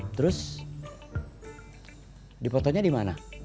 terus dipotonya dimana